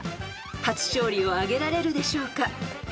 ［初勝利を挙げられるでしょうか？］